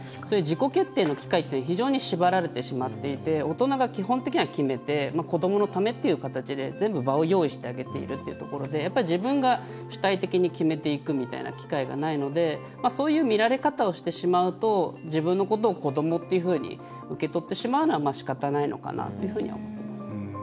そういう自己決定の機会って非常に縛られてしまっていて大人が基本的には決めて子どものためっていう形で全部、場を用意してあげているっていうところで自分が主体的に決めていくみたいな機会がないのでそういう見られ方をしてしまうと自分のことを子どもって受け取ってしまうのはしかたないかなと思っています。